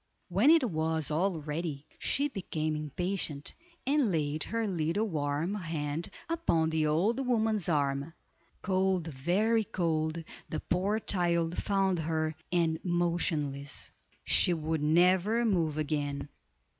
When it was all ready, she became impatient, and laid her little warm hand upon the old woman's arm. Cold, very cold, the poor child found her, and motionless. She would never move again.